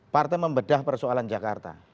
partai membedah persoalan jakarta